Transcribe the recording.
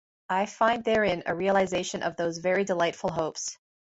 I find therein a realization of those very delightful hopes.